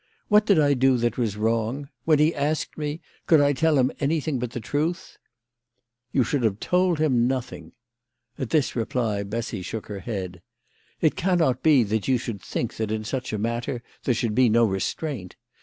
What did I do that was wrong ? When he asked me, could I tell him anything but the truth ?"" You should have told him nothing." At this reply Bessy shook her head. " It cannot be that you should think that in such a matter there should be no restraint.